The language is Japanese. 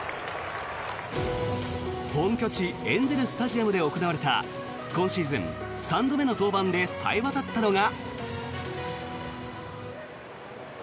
本拠地エンゼル・スタジアムで行われた今シーズン３度目の登板で冴え渡ったのが。